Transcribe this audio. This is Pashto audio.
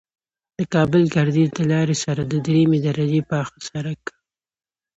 د کابل گردیز د لارې سره د دریمې درجې پاخه سرک